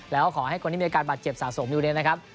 แล้วขอให้คนที่มีอาการบาดเจ็บสะสมอยู่เนี่ยนะครับ